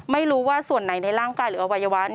ไม่รู้ว่าส่วนไหนในร่างกายหรืออวัยวะ